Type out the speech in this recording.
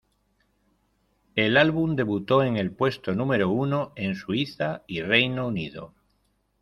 El álbum debutó en el puesto número uno en Suiza y Reino Unido.